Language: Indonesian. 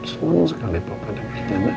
senang sekali papa dapat jalan